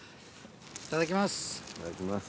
いただきます。